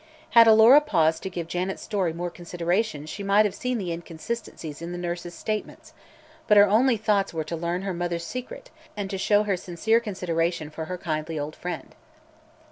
Had Alora paused to give Janet's story more consideration she might have seen the inconsistencies in the nurse's statements, but her only thoughts were to learn her mother's secret and to show her sincere consideration for her kindly old friend.